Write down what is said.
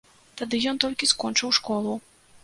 Тады ён толькі скончыў школу.